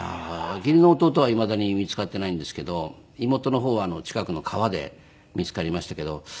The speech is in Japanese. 義理の弟はいまだに見つかっていないんですけど妹の方は近くの川で見つかりましたけど。